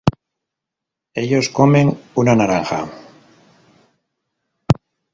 ellos comen una naranja